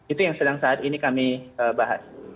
itu yang sedang saat ini kami bahas